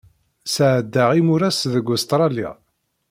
Sɛeddaɣ imuras deg Ustṛalya.